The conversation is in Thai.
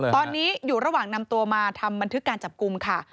ตอนนี้อยู่ระหว่างนำตัวมาทำบันทึกการจับกลุ่มค่ะ